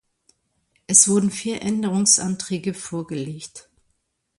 Es wurden vier Änderungsanträge vorgelegt.